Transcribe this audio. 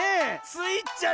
スイちゃん